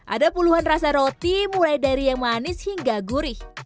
ada puluhan rasa roti mulai dari yang manis hingga gurih